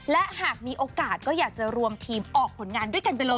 และหากมีโอกาสก็อยากจะรวมทีมออกผลงานด้วยกันไปเลย